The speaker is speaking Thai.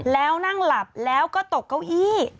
แล้วนั่งหลับแล้วก็ตกเก้าอี้